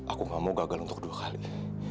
aku gak mau gagal untuk dua kali